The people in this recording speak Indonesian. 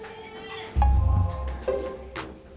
jangan terlalu banyak